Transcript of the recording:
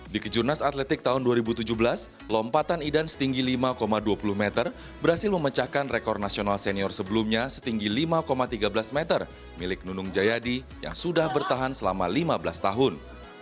di kejurnas atletik tahun dua ribu tujuh belas lompatan idan setinggi lima dua puluh meter berhasil memecahkan rekor nasional senior sebelumnya setinggi lima tiga belas meter milik nunung jayadi yang sudah bertahan selama lima belas tahun